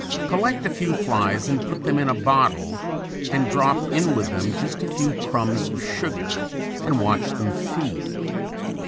Collect a few flies and put them in a bottle and drop in with them just a few crumbs of sugar and watch them feed.